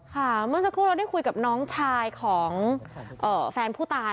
เมื่อสักครู่เราได้คุยกับน้องชายของแฟนผู้ตาย